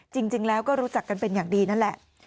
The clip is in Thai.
จริงแล้วก็รู้จักกันเป็นอย่างดีนั่นแหละ